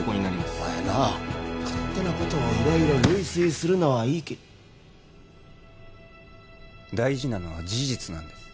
お前な勝手なことを色々類推するのはいいけど大事なのは事実なんです